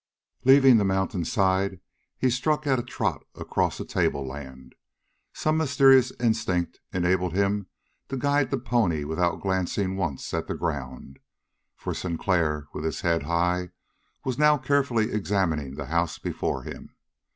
Leaving the mountainside, he struck at a trot across a tableland. Some mysterious instinct enabled him to guide the pony without glancing once at the ground; for Sinclair, with his head high, was now carefully examining the house before him.